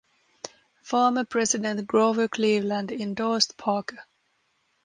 Former President Grover Cleveland endorsed Parker.